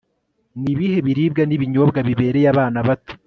ni ibihe biribwa n'ibinyobwa bibereye abana bato